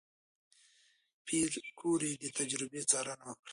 پېیر کوري د تجربې څارنه وکړه.